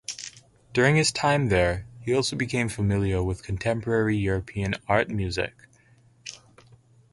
During his time there, he also became familiar with contemporary European art music.